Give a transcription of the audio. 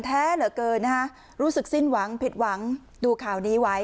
แท้เหลือเกินนะฮะรู้สึกสิ้นหวังผิดหวังดูข่าวนี้ไว้